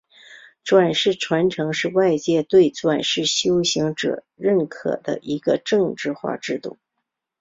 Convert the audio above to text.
转世传承是外界对转世修行者认可的一个政治化制度。